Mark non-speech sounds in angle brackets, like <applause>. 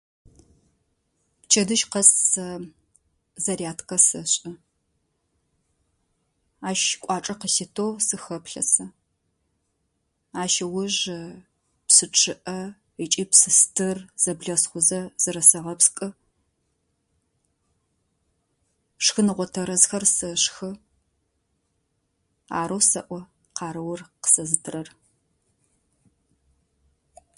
Пчэдыжь къэс сэ зарядкэ сэшӏы. Ащ кӏуачӏэ къыситу сыхэплъэ сэ. Ащ ыуж <hesitation> псы чъыӏэ ыкӏи псы стыр зэблэсхъузэ зырэсэгъэпскӏы, шхыныгъо тэрэзхэр сэшхы. Арэу сэӏо къарыур къысэзытырэр.